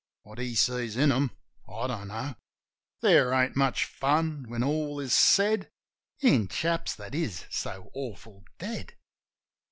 What he sees in them I don't know. There ain't much fun, when all is said. In chaps' that is so awful dead.